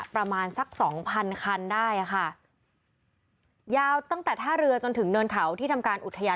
ประมาณสักสองพันคันได้อ่ะค่ะยาวตั้งแต่ท่าเรือจนถึงเนินเขาที่ทำการอุทยาน